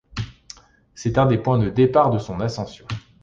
C'est un des points de départ de son ascension.